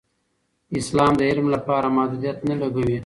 اسلام د علم لپاره محدودیت نه لګوي.